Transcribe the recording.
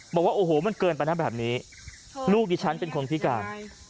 บอกว่าโอ้โหมันเกินไปนะแบบนี้ลูกดิฉันเป็นคนพิการ